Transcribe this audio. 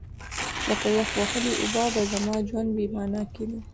لکه یخ وهلې اوبه به زما ژوند بې مانا کېده.